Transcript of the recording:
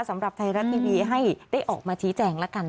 สำหรับไทยรัตน์ทีวีให้ได้ออกมาใช้แจ่งนะคะ